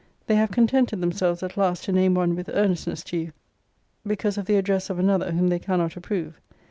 They have contented themselves at last to name one with earnestness to you, because of the address of another whom they cannot approve.